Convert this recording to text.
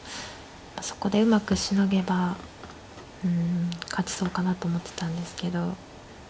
そこでうまくシノげば勝ちそうかなと思ってたんですけど。